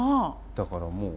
だからもう。